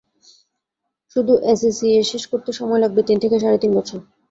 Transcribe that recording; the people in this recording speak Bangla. শুধু এসিসিএ শেষ করতে সময় লাগবে তিন থেকে সাড়ে তিন বছর।